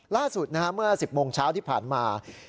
ล่าสุดเมื่อ๑๐โมงเช้าที่ผ่านมา